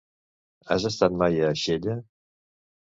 Has estat mai a Xella?